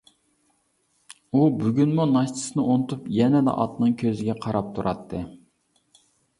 ئۇ بۈگۈنمۇ ناشتىسىنى ئۇنتۇپ، يەنىلا ئاتنىڭ كۆزىگە قاراپ تۇراتتى.